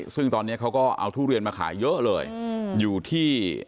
ซึ่งตอนนี้เขาก็เอาทุเรียนมาขายเยอะเลยอยู่ที่